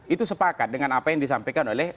itu sepakat dengan apa yang disampaikan oleh